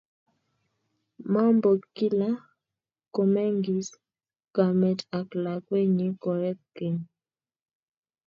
mabo kila komengis kamet ak lakwenyi koek keny